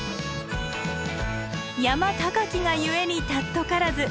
山高きが故に貴からず。